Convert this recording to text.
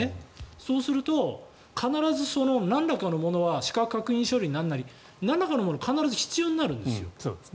そうすると必ずなんらかのものは資格確認書なりなんなりなんらかのものが必ず必要になるんです。